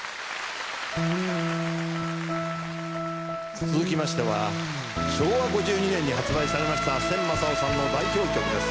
続きましては昭和５２年に発売されました千昌夫さんの代表曲です。